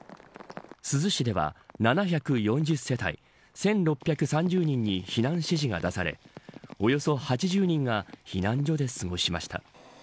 珠洲市では７４０世帯１６３０人に避難指示が出されおよそ８０人が避難所で過ごしました。